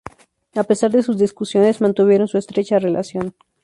A pesar de sus discusiones, mantuvieron su estrecha relación.